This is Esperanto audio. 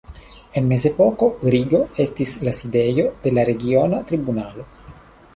En mezepoko Brigo estis la sidejo de la regiona tribunalo.